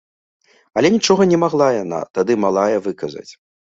Але нічога не магла яна, тады малая, выказаць.